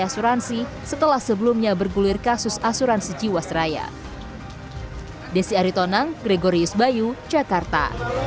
asuransi setelah sebelumnya bergulir kasus asuransi jiwasraya desi aritonang gregorius bayu jakarta